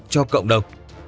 cho cộng đồng